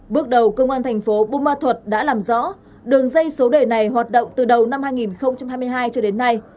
bước đầu công an thành phố bù ma thuật đã làm rõ đường dây số đề này hoạt động từ đầu năm hai nghìn hai mươi hai cho đến nay